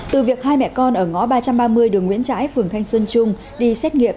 từ việc hai mẹ con ở ngõ ba trăm ba mươi đường nguyễn trãi phường thanh xuân trung đi xét nghiệm